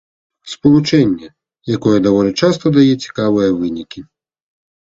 Спалучэнне, якое даволі часта дае цікавыя вынікі.